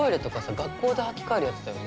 学校で履き替えるやつだよね。